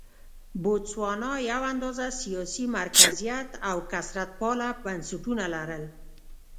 بوتسوانا یو اندازه سیاسي مرکزیت او کثرت پاله بنسټونه لرل.